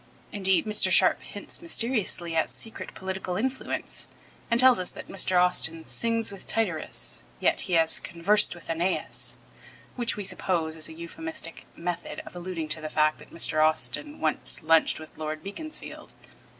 Indeed, Mr. Sharp hints mysteriously at secret political influence, and tells us that though Mr. Austin 'sings with Tityrus' yet he 'has conversed with AEneas,' which, we suppose, is a euphemistic method of alluding to the fact that Mr. Austin once lunched with Lord Beaconsfield.